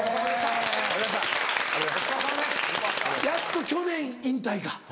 やっと去年引退か。